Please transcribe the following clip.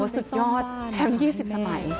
สุดยอดแชมป์๒๐สมัย